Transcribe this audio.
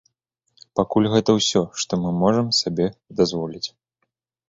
Пакуль гэта ўсё, што мы можам сабе дазволіць.